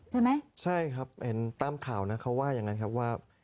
ใช่ไหมใช่ครับเห็นตามข่าวนะเขาว่าอย่างนั้นครับว่า